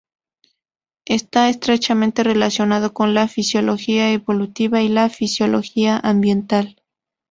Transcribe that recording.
Está estrechamente relacionado con la fisiología evolutiva y la fisiología ambiental.